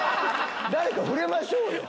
誰か触れましょうよ。